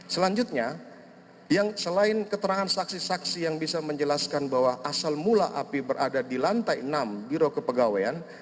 selanjutnya yang selain keterangan saksi saksi yang bisa menjelaskan bahwa asal mula api berada di lantai enam biro kepegawaian